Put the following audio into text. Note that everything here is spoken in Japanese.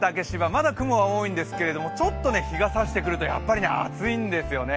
まだ雲は多いんですけれども、ちょっと日がさしてくると、やっぱり暑いんですよね。